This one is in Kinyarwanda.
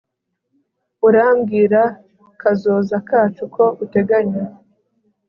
Urambwira kazoza kacu ko uteganya